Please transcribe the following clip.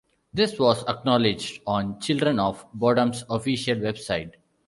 This was acknowledged on Children of Bodom's official website.